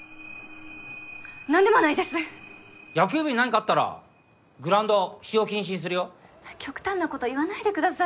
何でもないです野球部に何かあったらグラウンド使用禁止にするよ極端なこと言わないでください